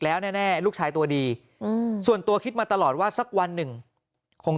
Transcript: แล้วแน่ลูกชายตัวดีส่วนตัวคิดมาตลอดว่าสักวันหนึ่งคง